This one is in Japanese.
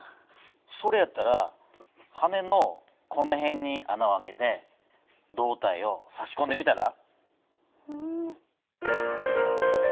それやったら羽のこの辺に穴をあけて胴体をさしこんでみたら？